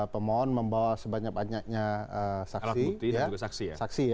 pemohon membawa sebanyak banyaknya saksi